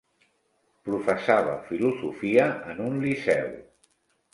Professava filosofia en un liceu.